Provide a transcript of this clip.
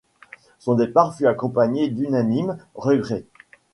Son départ fut accompagné d'unanimes regrets.